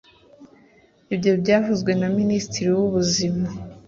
Ibyo byavuzwe na Minisitiri w’Ubuzima